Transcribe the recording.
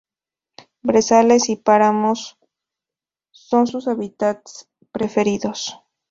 Brezales y páramos son sus hábitats preferidos.